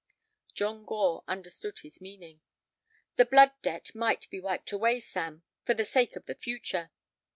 John Gore understood his meaning. "The blood debt might be wiped away, Sam, for the sake of the future."